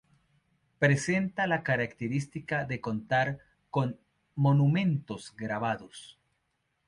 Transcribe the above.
Presenta la característica de contar con monumentos grabados.